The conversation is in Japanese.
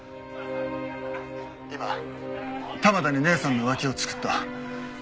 今玉田に姐さんの浮気をチクった。